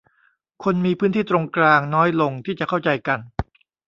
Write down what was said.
คนมีพื้นที่ตรงกลางน้อยลงที่จะเข้าใจกัน